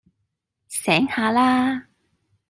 醒下啦